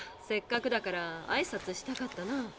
せっかくだからあいさつしたかったな。